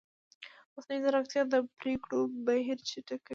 مصنوعي ځیرکتیا د پرېکړو بهیر چټکوي.